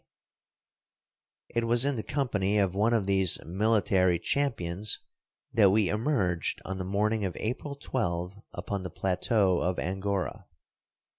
8 Across Asia on a Bicycle It was in the company of one of these military champions that we emerged on the morning of April 12 upon the plateau of Angora.